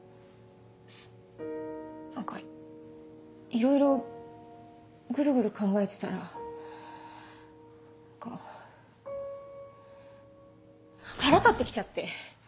何かいろいろグルグル考えてたら何か腹立って来ちゃって！